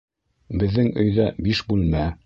Беҙҙең өйҙә биш бүлмә